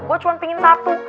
gue cuma pengen satu